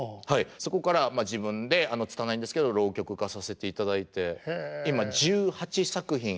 そこから自分で拙いんですけど浪曲化させていただいて今１８作品。